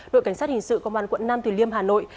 đội cảnh sát hình sự công an quận năm tùy liêm hà nội